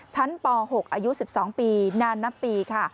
ชั้นป๖อายุ๑๒ปีนานนับปี